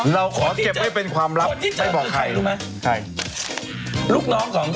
เราขอเก็บไว้เป็นความลับใครบอกใครรู้ไหมใครลูกน้องของเธอ